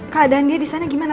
keadaan dia disana gimana